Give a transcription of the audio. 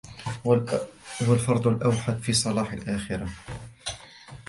وَهُوَ الْفَرْدُ الْأَوْحَدُ فِي صَلَاحِ الْآخِرَةِ